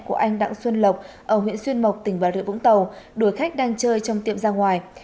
của anh đặng xuân lộc ở huyện xuyên mộc tỉnh bà rịa vũng tàu đuổi khách đang chơi trong tiệm ra ngoài